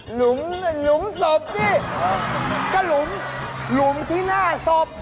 หลุมสบสิก็หลุมหลุมที่หน้าสบ